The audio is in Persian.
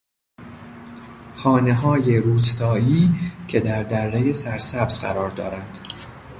خانههای روستایی که در درهی سرسبز قرار دارند